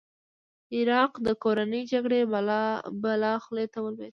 عراق د کورنۍ جګړې بلا خولې ته ولوېد.